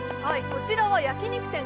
こちらは焼肉店